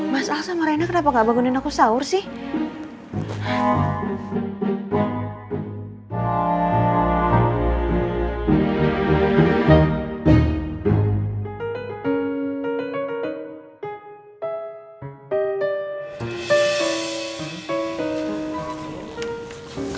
mas al sama reina kenapa ga bangunin aku sahur sih